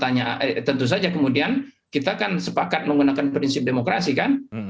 nah tentu saja kemudian kita kan sepakat menggunakan prinsip demokrasi kan